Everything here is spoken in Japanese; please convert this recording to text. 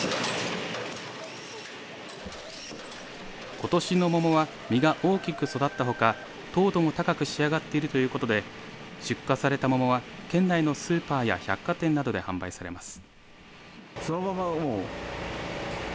ことしの桃は実が大きく育ったほか糖度も高く仕上がっているということで出荷された桃は県内のスーパーや百貨店などで販売されます。